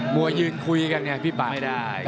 มวยืนคุยกันอย่างไงพี่ปัชชาไม่ได้